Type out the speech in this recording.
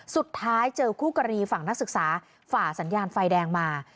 เจอคู่กรณีฝั่งนักศึกษาฝ่าสัญญาณไฟแดงมา